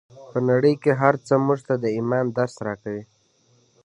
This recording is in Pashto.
په نړۍ کې هر څه موږ ته د ايمان درس راکوي.